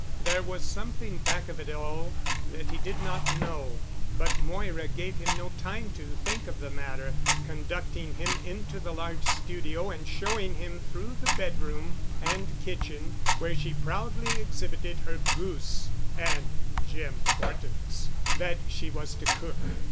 There was something back of it all that he did not know.... But Moira gave him no time to think of the matter, conducting him into the large studio and showing him through the bedroom and kitchen, where she proudly exhibited her goose (and Jim Horton's) that she was to cook.